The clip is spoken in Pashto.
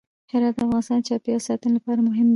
هرات د افغانستان د چاپیریال ساتنې لپاره مهم دي.